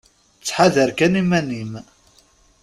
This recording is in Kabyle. Tthadar kan iman-im.